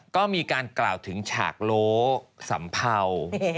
ก็มีการกล่าวถึงฉากโล้สัมเภา